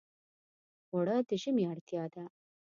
اوړه د ژمي اړتیا ده